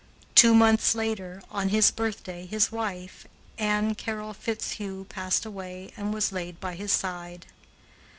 Two months later, on his birthday, his wife, Ann Carroll Fitzhugh, passed away and was laid by his side.